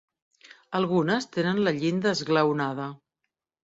Algunes tenen la llinda esglaonada.